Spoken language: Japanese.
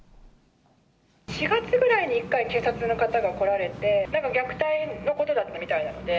４月ぐらいに１回、警察の方が来られて、なんか虐待のことだったみたいなんで。